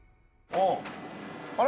あれ？